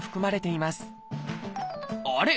あれ？